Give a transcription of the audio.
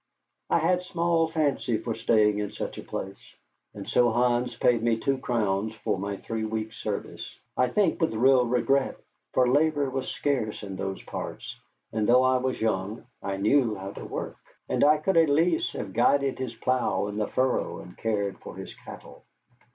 I had small fancy for staying in such a place, and so Hans paid me two crowns for my three weeks' service; I think, with real regret, for labor was scarce in those parts, and though I was young, I knew how to work. And I could at least have guided his plough in the furrow and cared for his cattle.